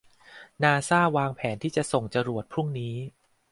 นาซ่าวางแผนที่จะส่งจรวดพรุ่งนี้